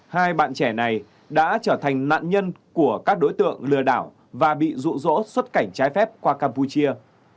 hai bạn trẻ này đã trở thành nạn nhân của các đối tượng lừa đảo và bị rụ rỗ xuất cảnh trái phép qua campuchia